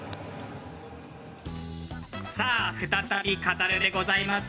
さあ、再びカタルでございます。